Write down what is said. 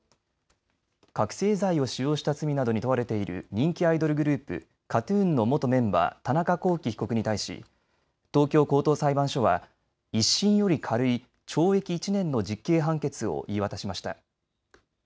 覚醒剤を使用した罪などに問われている人気アイドルグループ、ＫＡＴ−ＴＵＮの元メンバー、田中聖被告に対し東京高等裁判所は１審より軽い懲役１年の実刑判決を言い渡しました。